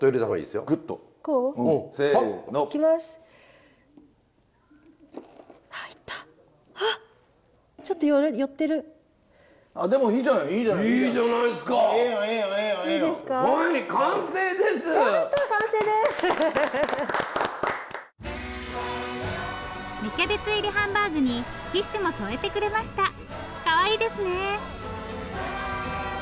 かわいいですね。